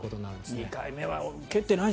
２回目は蹴ってないぞ